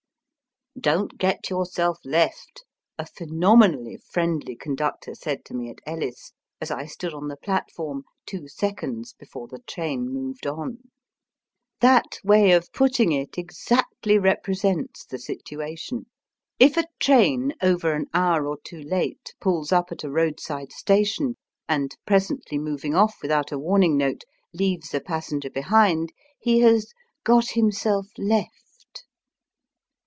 " Don't get yourself left," a phenomenally friendly conductor said to me at Ellis, as I stood on the platform two seconds before the train moved on. Digitized by VjOOQIC ON THE BAILWAT CARS. 169 That way of putting it exactly represents the situation. If a train over an hour or two late pulls up at a roadside station and, presently moying off without a warning note, leaves a passenger behind, he has " got himself left."